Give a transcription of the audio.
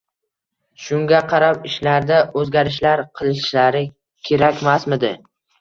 shunga qarab ishlarida o‘zgarishlar qilishlari kerakmasmidi?